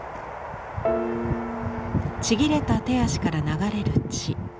ちぎれた手足から流れる血。